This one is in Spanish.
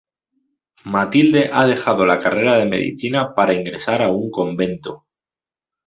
Matilde ha dejado la carrera de medicina para ingresar a un convento.